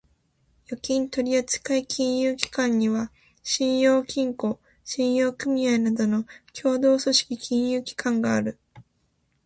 預金取扱金融機関には、信用金庫、信用組合などの協同組織金融機関がある。